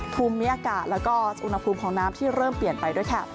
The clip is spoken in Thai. ภูมิอากาศแล้วก็อุณหภูมิของน้ำที่เริ่มเปลี่ยนไปด้วยค่ะ